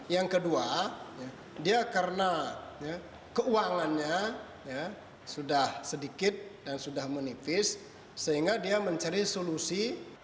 yang kedua dia karena keuangannya sudah sedikit dan sudah menipis sehingga dia mencari solusi